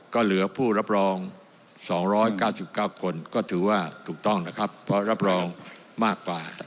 ก็เหลือผู้รับรอง๒๙๙คนก็ถือว่าถูกต้องนะครับเพราะรับรองมากกว่า